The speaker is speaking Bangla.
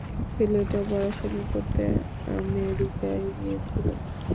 ছেলেটা পড়াশোনা করতে আমেরিকায় গিয়েছিল।